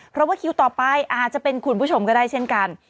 เพราะว่าคิวต่อไปอาจจะเป็นคุณผู้ชมก็ได้เช่นกัน